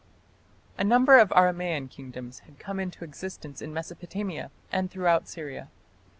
A number of Aramaean kingdoms had come into existence in Mesopotamia and throughout Syria.